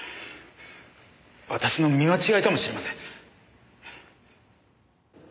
私の見間違いかもしれません。